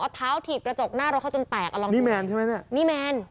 เอาเท้าถีบกระจกหน้ารถเขาจนแตกอ่ะลองนี่แมนใช่ไหมเนี่ยนี่แมน